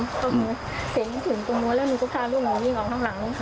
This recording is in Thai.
เพราะหนูเสียงถึงตรงนู้นแล้วหนูก็พาลูกหนูวิ่งออกข้างหลัง